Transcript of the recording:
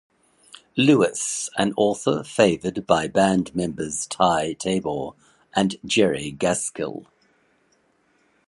Lewis, an author favored by band members Ty Tabor and Jerry Gaskill.